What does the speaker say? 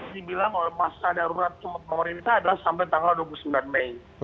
dibilang masa darurat pemerintah adalah sampai tanggal dua puluh sembilan mei